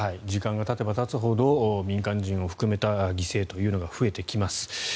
時間がたてばたつほど民間人を含めた犠牲というのが増えていきます。